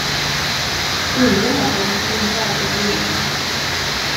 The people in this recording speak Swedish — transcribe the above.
Ingen av dem är någon värdig vinnare.